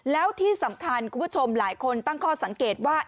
แล้วที่สำคัญคุณผู้ชมหลายคนตั้งข้อสังเกตว่า